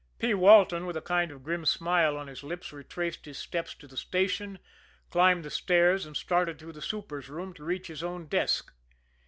P. Walton, with a kind of grim smile on his lips, retraced his steps to the station, climbed the stairs, and started through the super's room to reach his own desk.